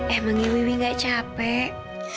emangnya wuih gak capek